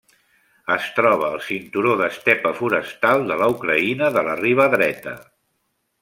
Es troba al cinturó d'estepa forestal de la Ucraïna de la riba dreta.